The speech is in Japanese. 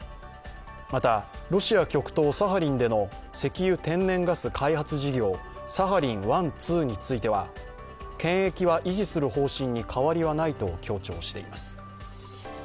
また、ロシア極東サハリンでの石油・天然ガス開発事業、サハリン１・２については権益は維持する方針に変わりはないと強調しています。